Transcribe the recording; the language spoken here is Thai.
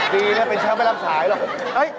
ดีนะเป็นเช้าไปรับสายหรือ